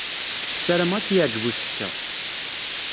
Ssarameɣ ad k-yeɛjeb usefk-a.